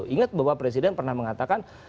ingat bahwa presiden pernah mengatakan